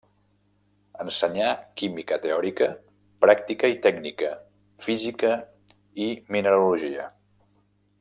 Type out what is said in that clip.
Ensenyà química teòrica, pràctica i tècnica, física i mineralogia.